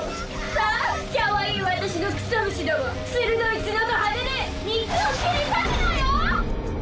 さあきゃわいい私のクソ虫ども鋭い角と羽で肉を切り裂くのよ！